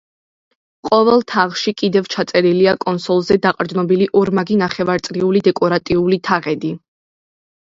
ყოველ თაღში კიდევ ჩაწერილია კონსოლზე დაყრდნობილი ორმაგი ნახევარწრიული დეკორატიული თაღედი.